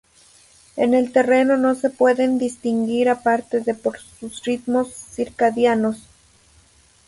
En el terreno no se pueden distinguir aparte de por sus ritmos circadianos.